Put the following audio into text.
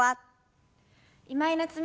今井菜津美です。